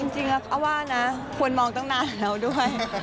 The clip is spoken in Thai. จริงค่ะว่านะควรมองตั้งนานแล้วด้วย